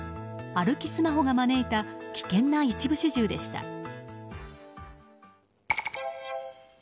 歩きスマホが招いた危険な一部始終でした。